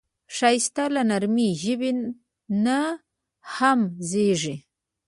ښایست له نرمې ژبې نه هم زېږي